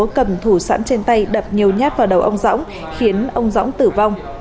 ông tấu cầm thủ sẵn trên tay đập nhiều nhát vào đầu ông rõng khiến ông rõng tử vong